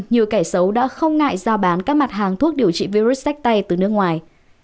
nhiều kẻ xấu đã không ngại giao bán các mặt hàng thuốc điều trị virus sách tay từ nước ngoài